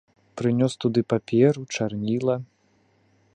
Прынёс туды паперу, чарніла.